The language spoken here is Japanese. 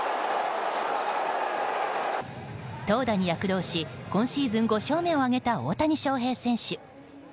投打に躍動し今シーズン５勝目を挙げた大谷翔平選手。